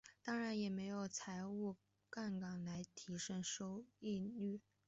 当然也没有用财务杠杆来提升收益率。